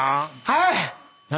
はい。